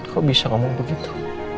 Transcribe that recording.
kok bisa kamu begitu